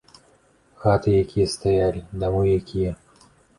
Хаты якія стаялі, дамы якія!